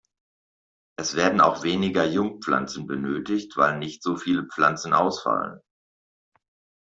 Es werden auch weniger Jungpflanzen benötigt, weil nicht so viele Pflanzen ausfallen.